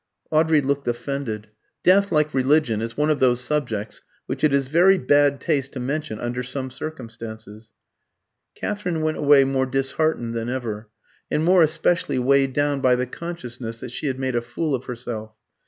Audrey looked offended. Death, like religion, is one of those subjects which it is very bad taste to mention under some circumstances. Katherine went away more disheartened than ever, and more especially weighed down by the consciousness that she had made a fool of herself.